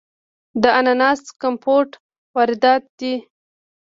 د اناناس کمپوټ وارداتی دی.